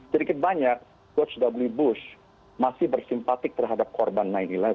sedikit banyak george w bush masih bersimpatik terhadap korban sembilan sebelas